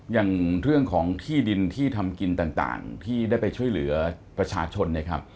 อย่างเรื่องของที่ดินที่ทำกินต่างที่ได้ไปช่วยเหลือประชาชนเนี่ยครับ